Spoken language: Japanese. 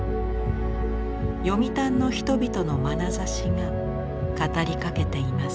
読谷の人々のまなざしが語りかけています。